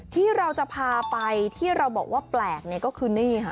ที่เราจะพาไปที่เราบอกว่าแปลกก็คือนี่ค่ะ